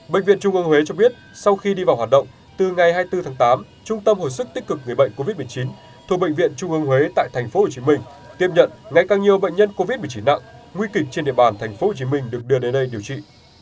bệnh viện trung ương huế cho biết sau khi đi vào hoạt động từ ngày hai mươi bốn tháng tám trung tâm hồi sức tích cực người bệnh covid một mươi chín thuộc bệnh viện trung ương huế tại tp hcm tiếp nhận ngày càng nhiều bệnh nhân covid một mươi chín nặng nguy kịch trên địa bàn tp hcm được đưa đến đây điều trị